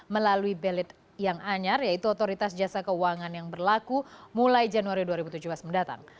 melalui belit yang anyar yaitu otoritas jasa keuangan yang berlaku mulai januari dua ribu tujuh belas mendatang